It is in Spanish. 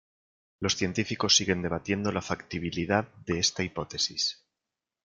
Los científicos siguen debatiendo la factibilidad de esta hipótesis.